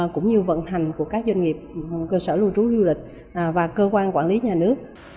cũng như vận hành của các doanh nghiệp cơ sở lưu trú du lịch và cơ quan quản lý nhà nước